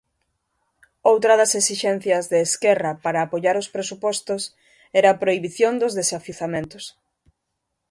Outra das esixencias de Esquerra para apoiar os presupostos era a prohibición dos desafiuzamentos.